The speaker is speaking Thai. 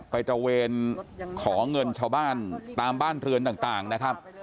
ตระเวนขอเงินชาวบ้านตามบ้านเรือนต่างนะครับ